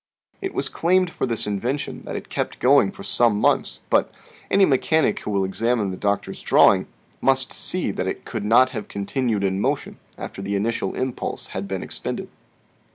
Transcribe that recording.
It was claimed for this invention that it kept going for some months, but any mechanic who will examine the Doctor's drawing must see that it could not have continued in motion after the initial impulse had been expended.